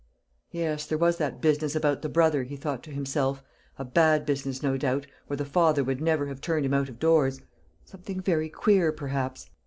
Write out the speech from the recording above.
"Yes, there was that business about the brother," he thought to himself; "a bad business no doubt, or the father would never have turned him out of doors something very queer perhaps.